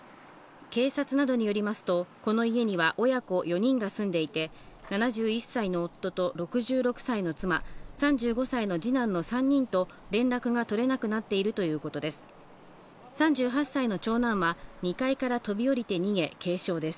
警察などによりますと、この家には親子４人が住んでいて、７１歳の夫と６６歳の妻、３５歳の二男の３人と連絡が取れなくなっているということです。